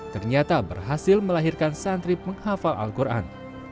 ternyata berhasil melahirkan santri penghafal al quran